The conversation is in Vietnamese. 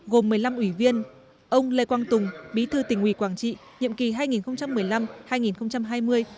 gồm một mươi năm ủy viên ông lê quang tùng bí thư tỉnh ủy quảng trị nhiệm kỳ hai nghìn một mươi năm hai nghìn hai mươi